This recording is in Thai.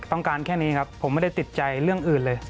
แค่นี้ครับผมไม่ได้ติดใจเรื่องอื่นเลย